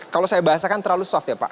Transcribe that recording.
kalau saya bahasakan terlalu soft ya pak